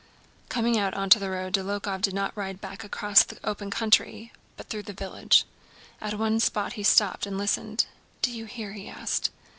Coming out onto the road Dólokhov did not ride back across the open country, but through the village. At one spot he stopped and listened. "Do you hear?" he asked.